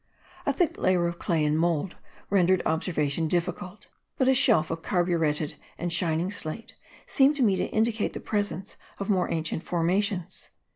A thick layer of clay and mould rendered observation difficult; but a shelf of carburetted and shining slate seemed to me to indicate the presence of more ancient formations.